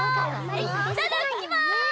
いっただっきます！